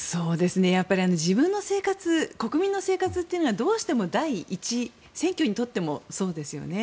やっぱり自分の生活国民の生活というのはどうしても第一選挙にとってもそうですよね。